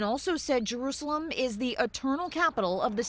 dan juga mengatakan jerusalem adalah kapital keamanan